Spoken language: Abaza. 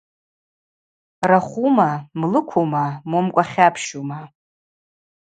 Рахвума, млыквума, момкӏва хьапщума?